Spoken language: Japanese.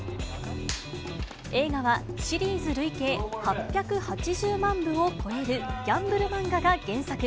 映画は、シリーズ累計８８０万部を超えるギャンブル漫画が原作。